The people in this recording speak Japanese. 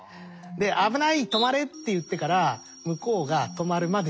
で「危ない止まれ」って言ってから向こうが止まるまで１０秒。